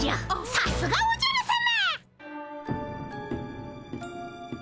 さすがおじゃるさま！